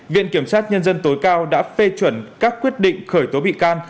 viện kiểm sát nhân dân tối cao đã phê chuẩn các quyết định khởi tố bị can